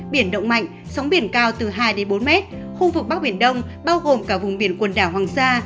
biển động mạnh sóng biển cao từ hai bốn mét khu vực bắc biển đông bao gồm cả vùng biển quần đảo hoàng sa